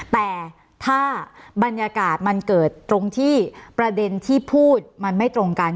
แต่ถ้าบรรยากาศมันเกิดตรงที่ประเด็นที่พูดมันไม่ตรงกัน